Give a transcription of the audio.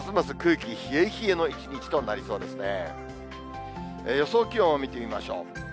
気温を見てみましょう。